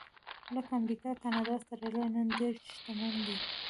لکه امریکا، کاناډا او اسټرالیا نن ډېر شتمن دي.